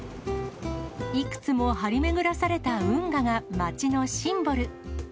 いくつも張り巡らされた運河が街のシンボル。